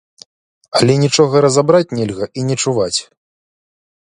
Але нічога разабраць нельга і не чуваць.